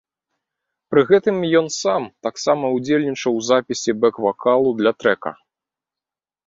Пры гэтым ён сам таксама ўдзельнічаў у запісе бэк-вакалу для трэка.